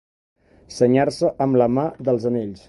Senyar-se amb la mà dels anells.